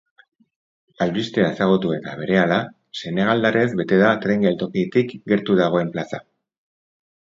Albistea ezagutu eta berehala, senegaldarrez bete da tren geltokitik gertu dagoen plaza.